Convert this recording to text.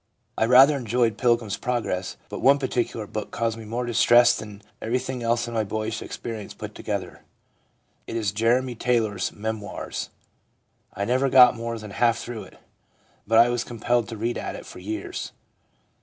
I rather enjoyed Pilgrim's Progress, but one particular book caused me more distress than everything else in my boyish experience put together. It is Jeremy Taylor's Memoirs. I never got more than half through it, but I was compelled to read at it for years.